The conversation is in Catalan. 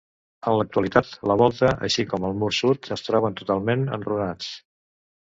En l'actualitat, la volta, així com el mur sud, es troben totalment enrunats.